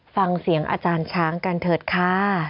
ฟังเสียงอาจารย์ช้างกันเถิดค่ะ